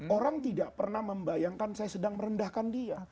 orang tidak pernah membayangkan saya sedang merendahkan dia